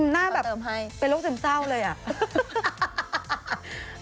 หน้าแบบเป็นโรคซึมเศร้าเลยอ่ะ